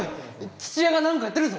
土谷が何かやってるぞ！